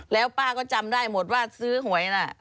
แล้วป้าก็จำได้หมดว่าซื้อหวยน่ะ